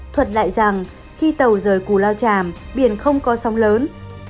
thuật lại rằng khi tàu rời cù lao tràm biển không có sóng lớn